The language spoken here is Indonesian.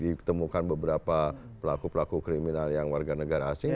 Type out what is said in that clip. ditemukan beberapa pelaku pelaku kriminal yang warga negara asing